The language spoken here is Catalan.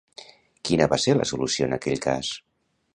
Quina va ser la solució en aquell cas?